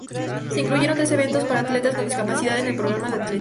Se incluyeron tres eventos para atletas con discapacidad en el programa de atletismo.